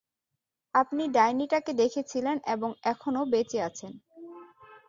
আপনি ডাইনিটাকে দেখেছিলেন এবং এখনো বেঁচে আছেন।